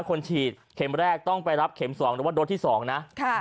คนฉีดเข็มแรกต้องไปรับเข็ม๒หรือว่าโดสที่๒นะ